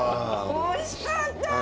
おいしかった！